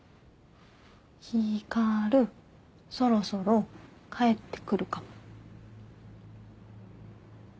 光そろそろ帰ってくるかも。